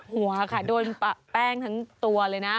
หัวค่ะโดนปะแป้งทั้งตัวเลยนะ